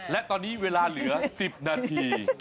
และตอนนี้เวลาเหลือ๑๐นาที